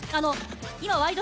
今、「ワイド！